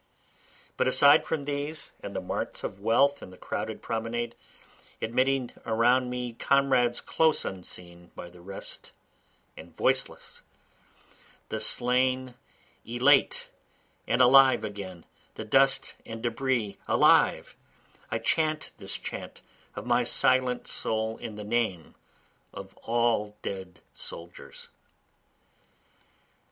But aside from these and the marts of wealth and the crowded promenade, Admitting around me comrades close unseen by the rest and voiceless, The slain elate and alive again, the dust and debris alive, I chant this chant of my silent soul in the name of all dead soldiers.